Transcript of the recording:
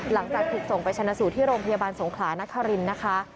หลังจากถึงส่งไปชนะสู่ที่โรงพยาบาลสงขลานักฮารินนะคะ